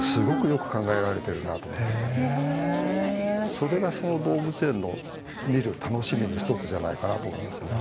それがその動物園の見る楽しみの一つじゃないかなと思いますね。